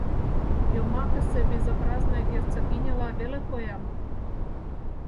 Йомакысе Безобразная Герцогиняла веле коям.